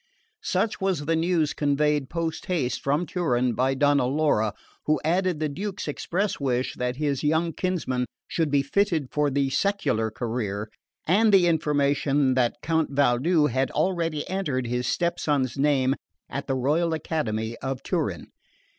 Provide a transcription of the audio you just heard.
Such was the news conveyed post haste from Turin by Donna Laura; who added the Duke's express wish that his young kinsman should be fitted for the secular career, and the information that Count Valdu had already entered his stepson's name at the Royal Academy of Turin.